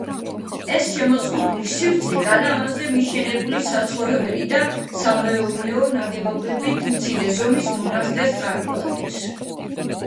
ეს შემოზღუდული სივრცე გალავანზე მიშენებული საცხოვრებელი და სამეურნეო ნაგებობებით, მცირე ზომის მონასტერს წარმოადგენს.